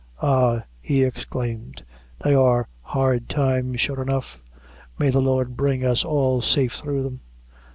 "Ah," he exclaimed, "they are hard times, sure enough; may the Lord bring us all safe through them!